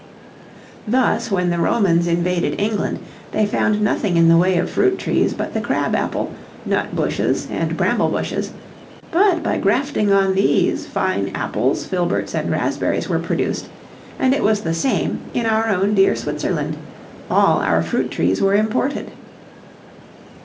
Thus, when the Romans invaded England they found there nothing in the way of fruit trees but the crab apple, nut bushes, and bramble bushes, but by grafting on these, fine apples, filberts, and raspberries were produced, and it was the same in our own dear Switzerland all our fruit trees were imported."